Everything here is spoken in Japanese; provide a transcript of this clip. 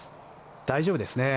大丈夫ですね。